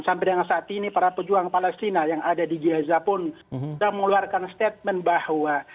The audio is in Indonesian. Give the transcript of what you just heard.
saat ini para pejuang palestina yang ada di gehaza pun sudah mengeluarkan statement bahwa